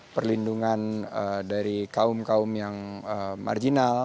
perlindungan dari kaum kaum yang marginal